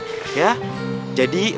jadi lebih baik kita tungguin mereka